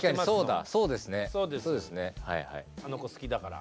あの子好きだから。